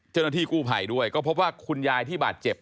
เจ้าหน้าที่กู้ภัยด้วยก็พบว่าคุณยายที่บาดเจ็บ